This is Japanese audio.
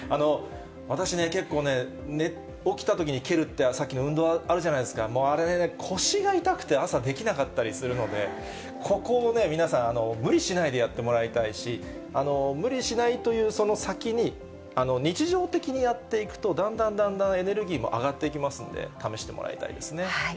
私ね、結構ね、起きたときに蹴るって、さっきの運動あるじゃないですか、もうあれね、腰が痛くて朝、できなかったりするので、ここをね、皆さん、無理しないでやってもらいたいし、無理しないというその先に、日常的にやっていくとだんだんだんだんエネルギーも上がっていきますんで、試してもらいたいですね。